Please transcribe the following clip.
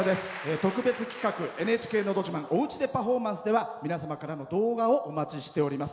特別企画「ＮＨＫのど自慢おうちでパフォーマンス」では皆様からの動画をお待ちしております。